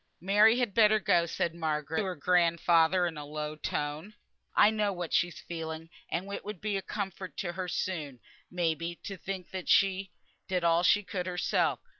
"Mary had better go," said Margaret to her grandfather, in a low tone, "I know what she's feeling, and it will be a comfort to her soon, may be, to think she did all she could herself.